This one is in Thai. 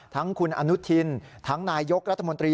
ทั้งคุณอนุทินทั้งนายยกรัฐมนตรี